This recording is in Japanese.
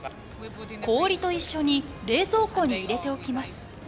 氷と一緒に冷蔵庫に入れておきます。